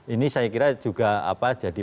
ini saya kira juga apa jadi